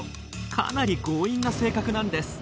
かなり強引な性格なんです。